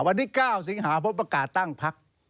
วันที่๙สิงหาพบประกาศตั้งพัก